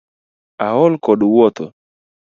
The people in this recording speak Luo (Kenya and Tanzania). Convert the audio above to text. Aol kod wuotho